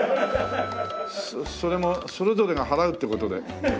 それもそれぞれが払うって事で。